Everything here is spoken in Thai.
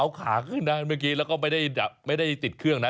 เอาขาขึ้นนะเมื่อกี้แล้วก็ไม่ได้ติดเครื่องนะ